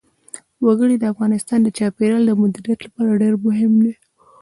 وګړي د افغانستان د چاپیریال د مدیریت لپاره ډېر مهم دي.